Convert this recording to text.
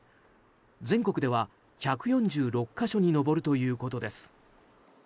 全国では１４６か所に上るということです。